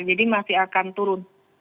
jadi masih akan turun